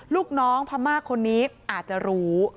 ลูกน้องพม่าคนนี้อาจจะรู้